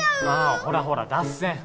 あほらほら脱線。